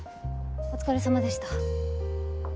お疲れ様でした。